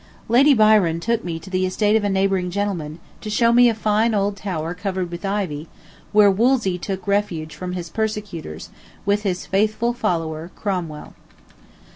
Lady Byron took me to the estate of a neighboring gentleman, to show me a fine old tower covered with ivy, where Wolsey took refuge from his persecutors, with his faithful follower, Cromwell.